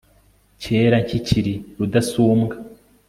cyera nkikiri rudasumbwa